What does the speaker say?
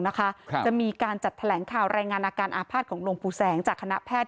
จะมีการจัดแถลงข่าวรายงานอาการอาภาษณ์ของหลวงปู่แสงจากคณะแพทย